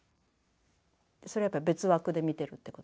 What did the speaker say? それはやっぱ別枠で見てるってこと。